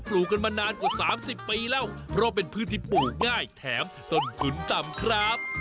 ลูกกันมานานกว่า๓๐ปีแล้วเพราะเป็นพืชที่ปลูกง่ายแถมต้นทุนต่ำครับ